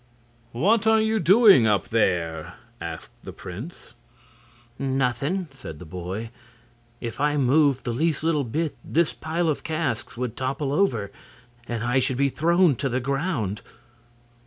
"What are you doing up there?" asked the prince. "Nothing," said the boy. "If I moved the least little bit this pile of casks would topple over, and I should be thrown to the ground."